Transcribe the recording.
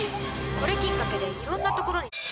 これきっかけでいろんな所に。